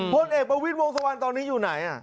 พลเอกประวิศวงศ์สวรรค์ตอนนี้อยู่ไหน